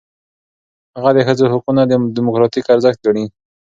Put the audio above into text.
هغه د ښځو حقونه دموکراتیک ارزښت ګڼي.